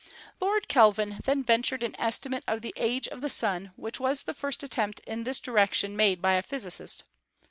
Lord Kelvin then ventured an estimate of the age of the Sun, which was the first attempt in this direction made by a physicist.